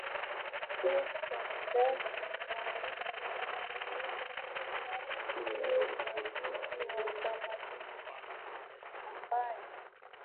Clive Campbell maarufu kama Kool Herc ndie mwasisi wa utamaduni huu ambae